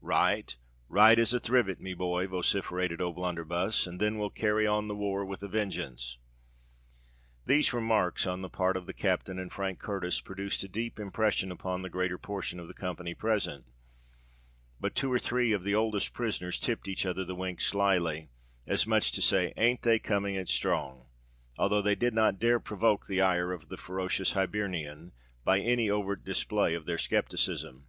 "Right!—right as a thrivet, me boy!" vociferated O'Blunderbuss; "and then we'll carry on the war r r with a vengeance." These remarks on the part of the captain and Frank Curtis produced a deep impression upon the greater portion of the company present; but two or three of the oldest prisoners tipped each other the wink slyly, as much as to say, "Ain't they coming it strong?"—although they did not dare provoke the ire of the ferocious Hibernian by any overt display of their scepticism.